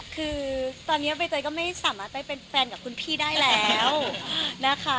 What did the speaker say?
คือตอนนี้ใบเตยก็ไม่สามารถไปเป็นแฟนกับคุณพี่ได้แล้วนะคะ